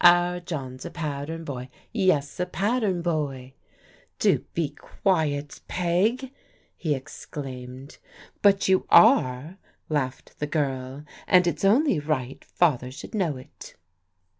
Our John's a pattern boy, — ^yes a pa a ttem boy !" Do be quiet, Peg," he exclaimed. " But you are," laughed the girl, " and it's only right Father should know it."